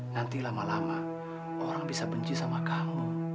nanti lama lama orang bisa benci sama kamu